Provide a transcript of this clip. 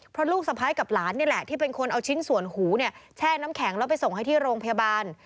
เพราะลูกสะพ้ายกับหลานนี่แหละที่เป็นคนเอาชิ้นส่วนหูเนี่ยแช่น้ำแข็งแล้วไปส่งให้ที่โรงพยาบาล